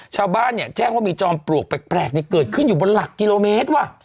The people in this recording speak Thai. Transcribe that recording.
ชาวบ้านเนี่ยแจ้งว่ามีจอมปลวกแปลกเกิดขึ้นอยู่บนหลักกิโลเมตรว่ะ